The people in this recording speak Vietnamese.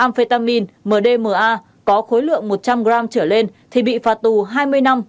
amphetamine mdma có khối lượng một trăm linh g trở lên thì bị phạt tù hai mươi năm